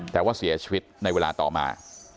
แต่ว่าเสียชีวิตในเวลาต่อมา